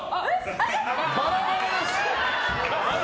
バラバラです。